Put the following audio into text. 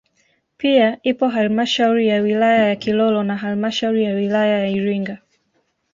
Pia ipo halmashauri ya wilaya ya Kilolo na halmashauri ya wilaya ya Iringa